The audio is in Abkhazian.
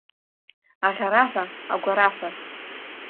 Аӷьараҳәа, агәараҳәа.